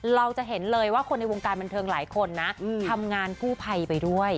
เราจะเห็นเลยว่าคนในวงการบันเทิงหลายคนนะทำงานกู้ภัยไปด้วย